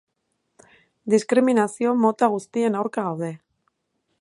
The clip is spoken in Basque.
Diskriminazio mota guztien aurka gaude.